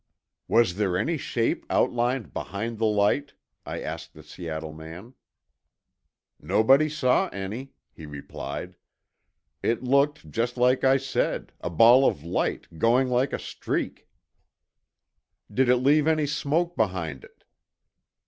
"Was there any shape outlined behind the light?" I asked the Seattle man. "Nobody saw any," he replied. "It looked just like I said—a ball of light, going like a streak." "Did it leave any smoke behind it?"